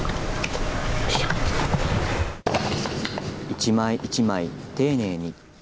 一枚一枚丁寧に。